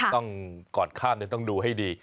ต้องกอดข้ามต้องดูให้ดี